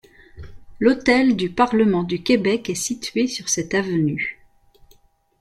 L'hôtel du Parlement du Québec est située sur cette avenue.